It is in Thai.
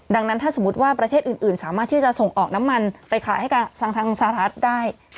ดังนั้นถ้าสมมุติว่าประเทศอื่นสามารถที่จะส่งออกน้ำมันไปขายให้กับทางสหรัฐได้